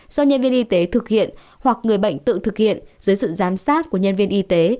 do nhân viên y tế thực hiện hoặc người bệnh tự thực hiện dưới sự giám sát của nhân viên y tế